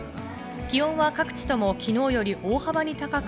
気温は各地とも昨日より大幅に高く、